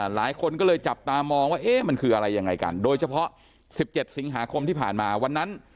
หลายคนก็เลยจับตามองว่าเอ๊ะมันคืออะไรยังไงกันโดยเฉพาะ๑๗สิงหาคมที่ผ่านมาวันนั้น